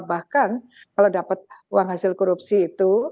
bahkan kalau dapat uang hasil korupsi itu